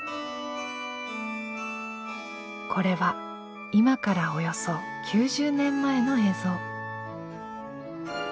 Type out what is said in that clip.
これは今からおよそ９０年前の映像。